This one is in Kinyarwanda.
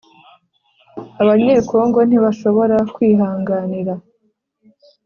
abanyekongo ntishobora kwihanganira